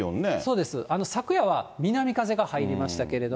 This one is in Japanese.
そうです、昨夜は南風が入りましたけれども。